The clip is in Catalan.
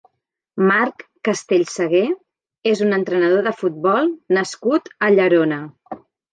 Marc Castellsagué és un entrenador de futbol nascut a Llerona.